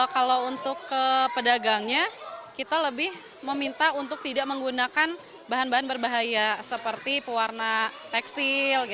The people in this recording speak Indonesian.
kalau untuk pedagangnya kita lebih meminta untuk tidak menggunakan bahan bahan berbahaya seperti pewarna tekstil